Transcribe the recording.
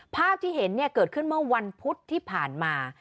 ภาพที่เห็นเนี่ยเกิดขึ้นเมื่อวันพุธที่ผ่านมา